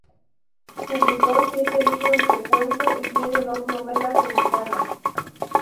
Publicó siete libros de cuento y tiene dos novelas editadas.